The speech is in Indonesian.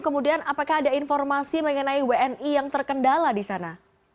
kemudian apakah ada informasi mengenai wni yang terkendala di sana